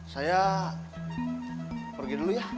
saya pergi dulu ya